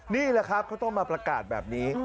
นี่แหละครับเขาต้องมาประกาศแบบนี้